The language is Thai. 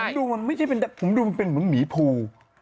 แต่มีโคตรโลกมันไม่ใช่เป็นแบบผมดูมันเป็นเหมือนหมีภู